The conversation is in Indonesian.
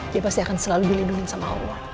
dia pasti akan selalu dilindungi sama allah